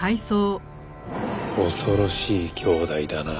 恐ろしい姉弟だな